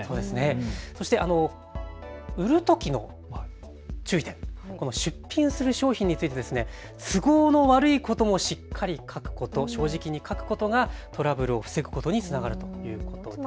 売るときの注意点、出品する商品について都合の悪いこともしっかり書くこと、正直に書くことがトラブルを防ぐことにつながるということです。